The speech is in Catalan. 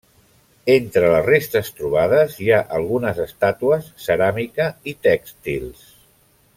Entre les restes trobades hi ha algunes estàtues, ceràmica i tèxtils.